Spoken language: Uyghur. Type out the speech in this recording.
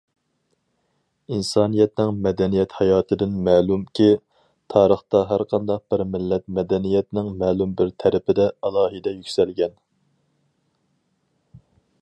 ئىنسانىيەتنىڭ مەدەنىيەت ھاياتىدىن مەلۇمكى، تارىختا ھەرقانداق بىر مىللەت مەدەنىيەتنىڭ مەلۇم بىر تەرىپىدە ئالاھىدە يۈكسەلگەن.